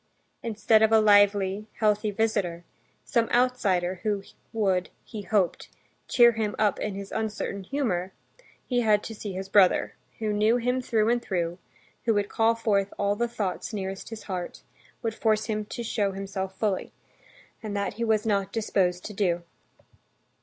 Instead of a lively, healthy visitor, some outsider who would, he hoped, cheer him up in his uncertain humor, he had to see his brother, who knew him through and through, who would call forth all the thoughts nearest his heart, would force him to show himself fully. And that he was not disposed to do.